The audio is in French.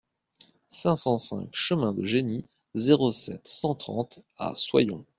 cinq cent cinq chemin de Geny, zéro sept, cent trente à Soyons